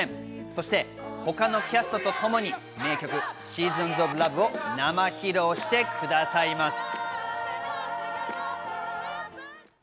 そして他のキャストとともに名曲『ＳｅａｓｏｎｓｏｆＬｏｖｅ』を生披露してくださいます。